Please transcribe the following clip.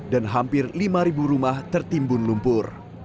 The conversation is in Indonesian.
dan hampir lima ribu rumah tertimbun lumpur